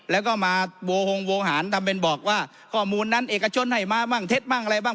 แล้วก็มาโวหงโวหารทำเป็นบอกว่าข้อมูลนั้นเอกชนให้มามั่งเท็จมั่งอะไรบ้าง